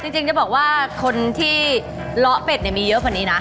จริงจะบอกว่าคนที่ล้อเป็ดเนี่ยมีเยอะกว่านี้นะ